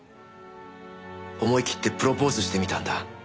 思い切ってプロポーズしてみたんだ。